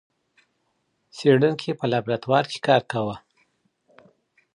څېړونکي په لابراتوار کي کار کاوه.